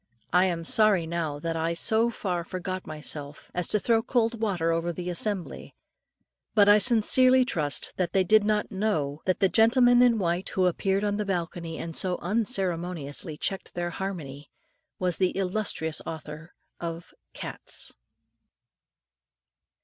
I am sorry now that I so far forgot myself, as to throw cold water over the assembly; but I sincerely trust that they did not know, that the gentleman in white, who appeared on the balcony, and so unceremoniously checked their harmony, was the illustrious author of "CATS."